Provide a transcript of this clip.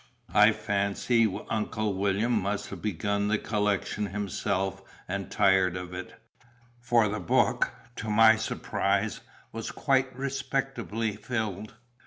I fancy Uncle William must have begun the collection himself and tired of it, for the book (to my surprise) was quite respectably filled.